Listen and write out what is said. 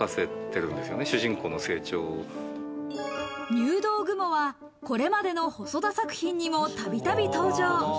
入道雲はこれまでの細田作品にもたびたび登場。